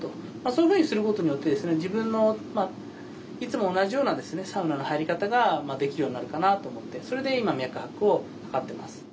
そういうふうにすることによってですねいつも同じようなですねサウナの入り方ができるようになるかなと思ってそれで今脈拍を測ってます。